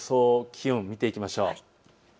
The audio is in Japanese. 気温を見ていきましょう。